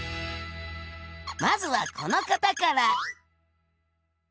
まずはこの方から。